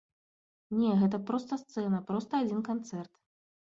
Не, гэта проста сцэна, проста адзін канцэрт.